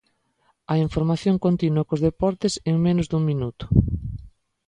A información continúa cos deportes en menos dun minuto.